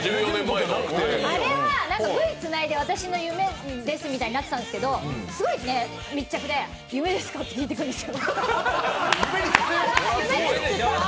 あれはＶつないで、私の夢ですみたいになってたんですがすごい密着で、「夢ですか？」って聞いてくるんです。